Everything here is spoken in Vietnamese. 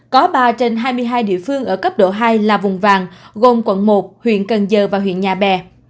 có ba trên hai mươi hai địa phương ở cấp độ hai là vùng vàng gồm quận một huyện cần giờ và huyện nhà bè